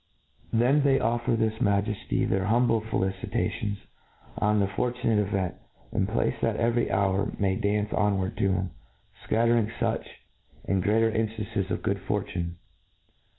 Then they offer his Majefty their humble felici tations on the fortunate event, and pray that every hour may dance onward to him, fcattering fuch, and greater inftances of good fortune.